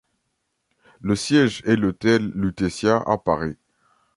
Le siège est l'Hôtel Lutetia à Paris.